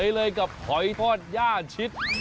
สวัสดีครับคุณพี่สวัสดีครับ